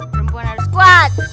perempuan harus kuat